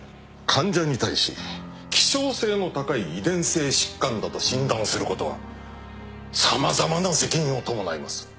患者に対し希少性の高い遺伝性疾患だと診断することは様々な責任を伴います。